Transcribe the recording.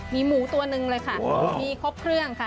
มีหมูตัวหนึ่งเลยค่ะมีครบเครื่องค่ะ